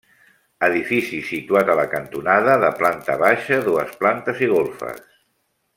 Edifici situat a la cantonada, de planta baixa, dues plantes i golfes.